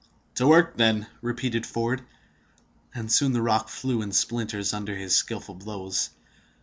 "To work, then!" repeated Ford; and soon the rock flew in splinters under his skillful blows.